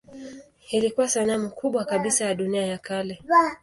Ilikuwa sanamu kubwa kabisa ya dunia ya kale.